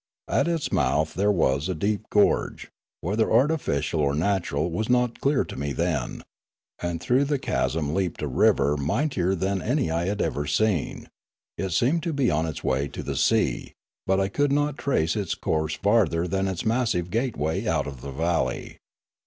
At its mouth there was a deep gorge, whether artificial or natural was not clear to me then ; and through the chasm leaped a river mightier than any I had ever seen ; it seemed to be on its way to the sea, but I could not trace its course farther than its massive gateway out of the valley.